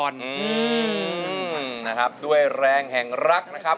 อืมนะครับด้วยแรงแห่งรักนะครับ